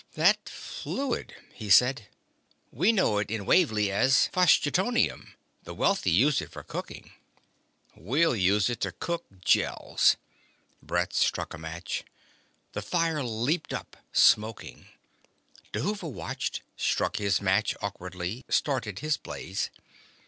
"That fluid," he said. "We know it in Wavly as phlogistoneum. The wealthy use it for cooking." "We'll use it to cook Gels." Brett struck a match. The fire leaped up, smoking. Dhuva watched, struck his match awkwardly, started his blaze.